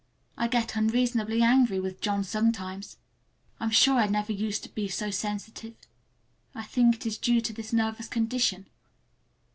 I get unreasonably angry with John sometimes. I'm sure I never used to be so sensitive. I think it is due to this nervous condition.